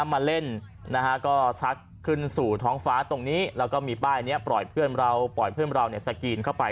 มาเล่นนะฮะก็ซักขึ้นสู่ท้องฟ้าตรงนี้แล้วก็มีป้ายนี้ปล่อยเพื่อนเราปล่อยเพื่อนเราสกรีนเข้าไป